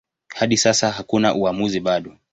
Hadi sasa hakuna uamuzi bado.